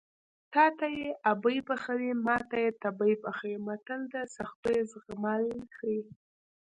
تاته یې ابۍ پخوي ماته یې تبۍ پخوي متل د سختیو زغمل ښيي